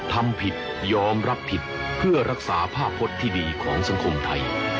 ทำผิดยอมรับผิดเพื่อรักษาภาพพจน์ที่ดีของสังคมไทย